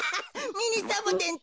ミニサボテンって！